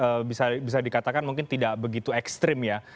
atau bisa dikatakan mungkin tidak begitu ekstrim ya